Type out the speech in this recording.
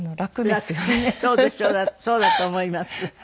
だってそうだと思います。